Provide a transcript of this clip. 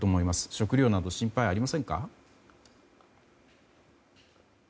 食料などに心配はありませんか。